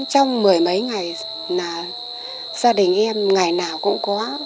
trong mười mấy ngày là gia đình em ngày nào cũng có